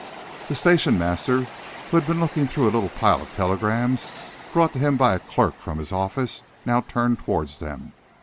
The station master, who had been looking through a little pile of telegrams brought to him by a clerk from his office, now turned towards them.